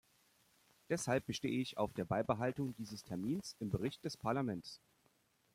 Deshalb bestehe ich auf der Beibehaltung dieses Termins im Bericht des Parlaments.